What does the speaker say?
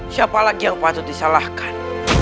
siapa lagi yang patut disalahkan